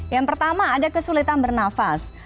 yang pertama ada kesulitan bernafas